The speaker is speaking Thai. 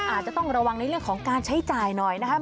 อาจจะต้องระวังในเรื่องของการใช้จ่ายหน่อยนะครับ